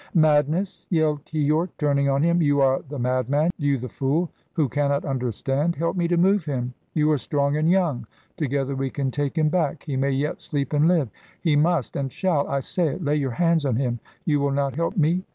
"Madness?" yelled Keyork, turning on him. "You are the madman, you the fool, who cannot understand! Help me to move him you are strong and young together we can take him back he may yet sleep and live he must and shall! I say it! Lay your hands on him you will not help me?